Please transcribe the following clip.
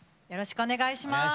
お願いします。